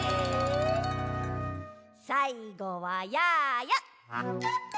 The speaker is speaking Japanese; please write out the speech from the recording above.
さいごはやーや。